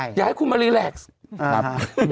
อยาให้คุณมาติดกรรม